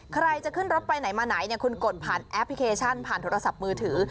ใครจะขึ้นรถไปไหนมาไหนคุณกดผ่านแอปพลิเคชันผ่านโทรศัพท์มือถือ